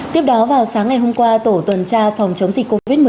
tiếp đó vào sáng ngày hôm qua tổ tuần tra phòng chống dịch covid một mươi chín